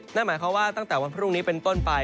นั่นหมายความว่าตั้งแต่วันพรุ่งนี้เป็นต้นไป